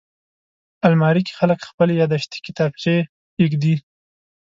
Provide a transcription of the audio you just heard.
الماري کې خلک خپلې یاداښتې کتابچې ایږدي